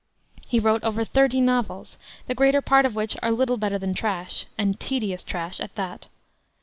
He wrote over thirty novels, the greater part of which are little better than trash, and tedious trash at that.